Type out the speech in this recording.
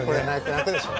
泣くでしょ。